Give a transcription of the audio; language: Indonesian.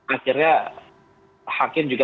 akhirnya hakim juga menanggung